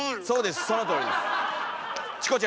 そうですそのとおりです。